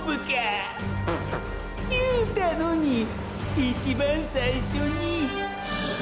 ププッ言うたのに一番最初にィ。